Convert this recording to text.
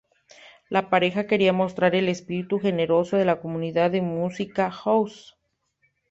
La pareja quería mostrar el espíritu generoso de la comunidad de música house.